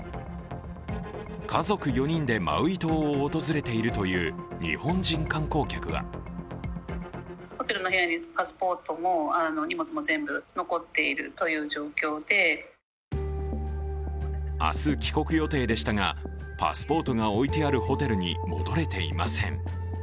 家族４人でマウイ島を訪れているという日本人観光客は明日、帰国予定でしたが、パスポートが置いてあるホテルに戻れていません。